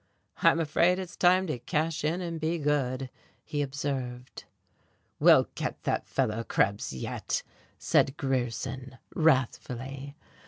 "I'm afraid it's time to cash in and be good," he observed. "We'll get that fellow Krebs yet," said Grierson, wrathfully.